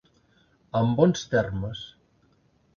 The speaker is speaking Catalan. En bons termes.